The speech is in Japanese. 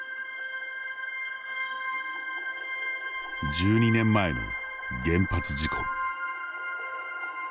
１２年前の原発事故。